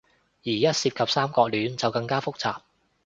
而一涉及三角戀，就更加複雜